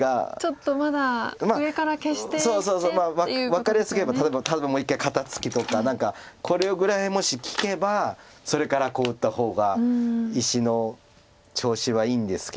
分かりやすく言えば例えばもう一回肩ツキとか何かこれぐらいもし利けばそれからこう打った方が石の調子はいいんですけど。